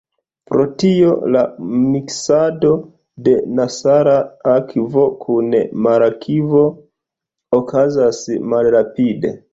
Pro tio la miksado de nesala akvo kun marakvo okazas malrapide.